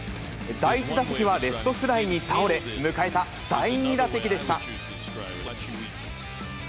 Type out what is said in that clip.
第１打席はレフトフライに倒れ、迎えた第２打席でした。